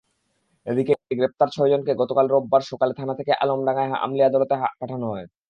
এদিকে গ্রেপ্তার ছয়জনকে গতকাল রোববার সকালে থানা থেকে আলমডাঙ্গার আমলি আদালতে পাঠানো হয়।